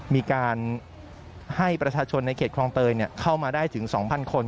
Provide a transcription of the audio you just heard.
มีการให้ประชาชนในเขตคลองเตยเข้ามาได้ถึง๒๐๐คน